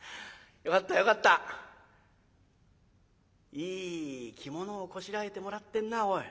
いい着物をこしらえてもらってんなぁおい。